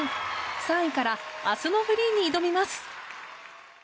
３位から明日のフリーに挑みます。